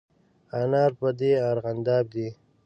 انار په د ارغانداب دي